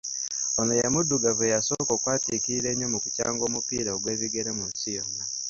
Ono ye muddugavu eyasooka okwatiikirira ennyo mu kukyanga omupiira ogw’ebigere mu nsi yonna.